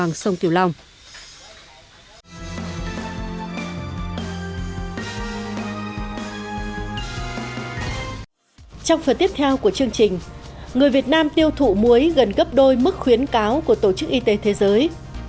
người việt nam tiêu thụ muối gần gấp đôi mức khuyến cáo của tổ chức y tế thế giới